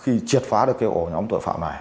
khi triệt phá được cái ổ nhóm tội phạm này